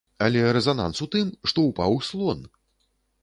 Але рэзананс у тым, што ўпаў слон!